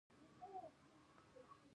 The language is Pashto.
دا په نسبت د دوو نورو محورونو ده.